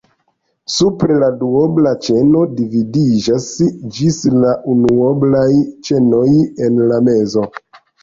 Supre la duobla ĉeno dividiĝas ĝis du unuoblaj ĉenoj en la mezo.